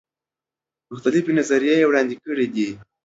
مختلفي نظریې وړاندي کړي دي.